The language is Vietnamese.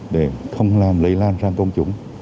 để không làm lây lan sang công chúng